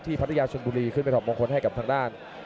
พัทยาชนบุรีขึ้นไปถอดมงคลให้กับทางด้าน